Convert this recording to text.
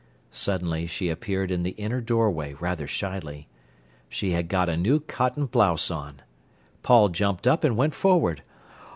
Suddenly she appeared in the inner doorway rather shyly. She had got a new cotton blouse on. Paul jumped up and went forward.